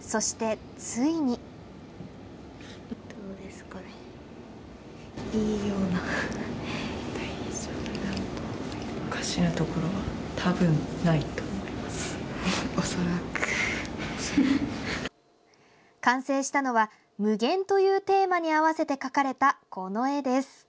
そして、ついに。完成したのは無限というテーマに合わせて描かれた、この絵です。